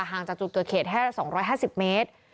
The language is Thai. ห่างจากจุดเกิดเหตุแค่๒๕๐เมตร